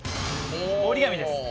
「折り紙」です。